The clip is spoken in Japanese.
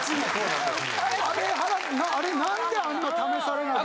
あれなんであんな試されなきゃ。